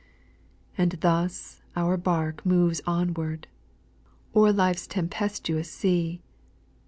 6. And thus our bark moves onward. O'er life's tempestuous sea.